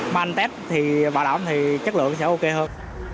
mà anh tết thì bảo đảm thì chất lượng sẽ ok hơn